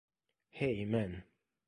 Hey, Man!